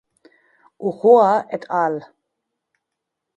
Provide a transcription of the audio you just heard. Ochoa et al.